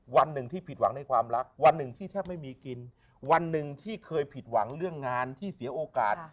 วันหนึ่งที่ผิดหวังในความรักวันหนึ่งที่แทบไม่มีกินวันหนึ่งที่เคยผิดหวังเรื่องงานที่เสียโอกาส